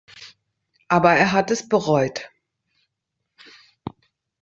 Aber er hat es bereut.